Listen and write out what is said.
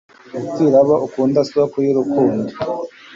gupfira abo ukunda, soko y'urukundo